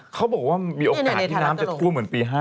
เขาบอกว่ามีโอกาสที่น้ำจะท่วมเหมือนปี๕๗